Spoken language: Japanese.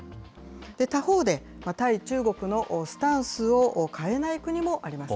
他方で、対中国のスタンスを変えない国もあります。